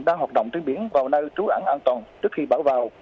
đang hoạt động trên biển vào nơi trú ẩn an toàn trước khi bão vào